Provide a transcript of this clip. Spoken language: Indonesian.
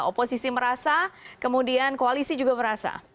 oposisi merasa kemudian koalisi juga merasa